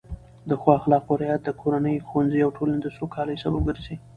د ښو اخلاقو رعایت د کورنۍ، ښوونځي او ټولنې د سوکالۍ سبب ګرځي.